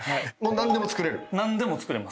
何でも作れます。